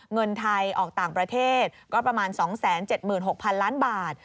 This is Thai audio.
เงินไทยออกต่างประเทศก็ประมาณ๒๗๖๐๐๐ล้านบาท